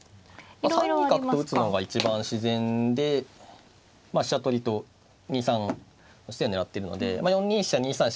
３二角と打つのが一番自然で飛車取りと２三の地点を狙ってるので４二飛車２三飛車